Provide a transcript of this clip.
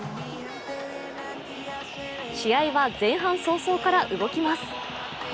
試合は前半早々から動きます。